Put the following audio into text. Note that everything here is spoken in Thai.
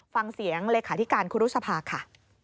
ฟังเสียงหลักหาธิการคุณรุศภาค่ะ